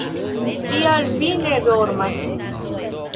Kial vi ne dormas?